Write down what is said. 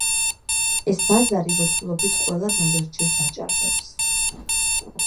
ეს ბაზარი მოცულობით ყველა დანარჩენს აჭარბებს.